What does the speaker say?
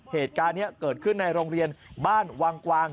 เหตุการณ์นี้เกิดขึ้นในโรงเรียนบ้านวังกวาง